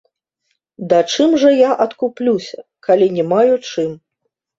Да чым жа я адкуплюся, калі не маю чым?